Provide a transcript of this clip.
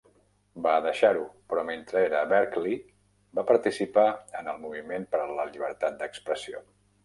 Va deixar-ho, però mentre era a Berkeley, va participar en el Moviment per a la Llibertat d'Expressió.